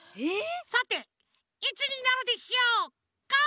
さていつになるでしょうか？